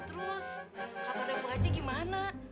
terus kapan emasnya gimana